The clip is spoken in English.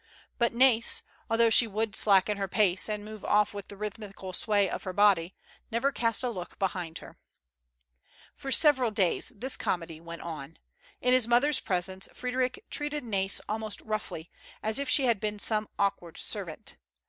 But Nais, 124 FREDEBIC AND NAYS. although she would slacken her pace, and move off with tlie rhythmical sway of her body, never cast a look behind her. For several days tliis comedy went on. In his moth er's presence Frederic treated Na'is almost roughly, as if she had been some awkward servant.